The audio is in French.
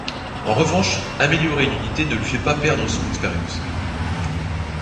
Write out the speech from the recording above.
En revanche, améliorer une unité ne lui fait pas perdre son expérience.